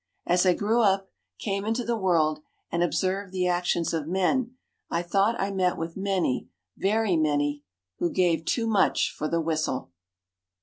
As I grew up, came into the world, and observed the actions of men, I thought I met with many, very many, who gave too much for the whistle.